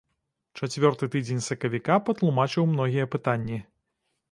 Чацвёрты тыдзень сакавіка патлумачыў многія пытанні.